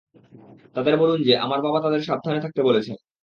তাদের বলুন যে আমার বাবা তাদের সাবধানে থাকতে বলেছেন।